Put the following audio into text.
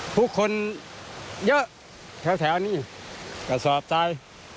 พวกคนเยอะแถวนี้กระสอบใจ